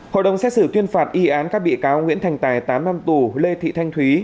hội đồng xét xử tuyên phạt y án các bị cáo nguyễn thành tài tám năm tù lê thị thanh thúy